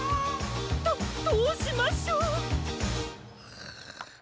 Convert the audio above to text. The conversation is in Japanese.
どどうしましょう！